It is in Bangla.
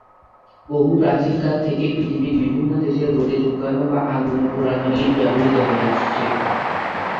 বহু প্রাচীনকাল থেকেই পৃথিবীর বিভিন্ন দেশে রোদে শুকানো বা আগুনে পোড়ানো ইট ব্যবহৃত হয়ে আসছে।